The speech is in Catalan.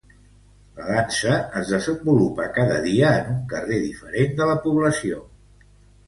La dansa es desenvolupa cada dia en un carrer diferent de la població.